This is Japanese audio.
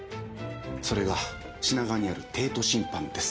それが品川にある帝都信販です。